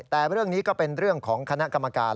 แต่เรื่องนี้ก็เป็นเรื่องของคณะกรรมการ